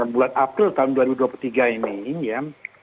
bulan april tahun dua ribu dua puluh tiga ini ya